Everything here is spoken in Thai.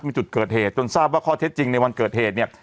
มีจุดเกิดเหตุจนทราบว่าข้อเท็จจริงในวันเกิดเหตุเนี่ย